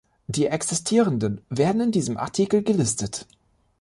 Die existierenden werden in diesem Artikel gelistet.